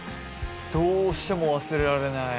どうしても忘れられない。